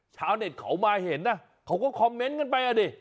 ชาวเน็ตเขามาเห็นนะเขาก็คอมเมนต์กันไปอ่ะดิ